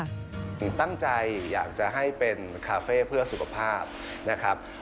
ผมตั้งใจอยากจะให้เป็นคาเฟ่เพื่อสุขภาพนะครับ